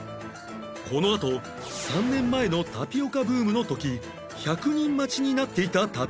このあと３年前のタピオカブームの時１００人待ちになっていたタピオカ屋さん